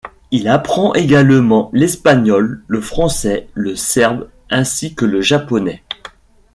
Il apprend également l'espagnol, le français, le serbe ainsi que le japonais.